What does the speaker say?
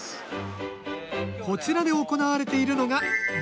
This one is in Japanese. こちらで行われているのが農業体験。